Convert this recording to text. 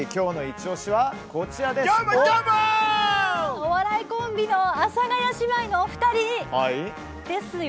お笑いコンビの阿佐ヶ谷姉妹のお二人？